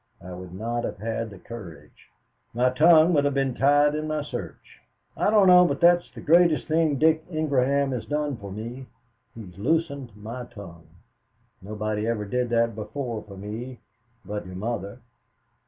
I would not have had the courage. My tongue would have been tied in my search. I don't know but that's the greatest thing that Dick Ingraham has done for me he has loosened my tongue. Nobody ever did that before for me but your mother."